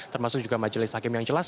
termasuk juga majelis hakim yang jelas